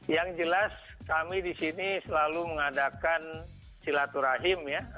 yang jelas kami di sini selalu mengadakan silaturahim ya